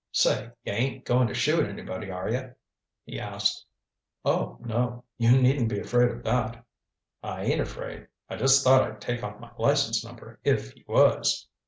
"Say, you ain't going to shoot anybody, are you?" he asked. "Oh, no you needn't be afraid of that." "I ain't afraid. I just thought I'd take off my license number if you was."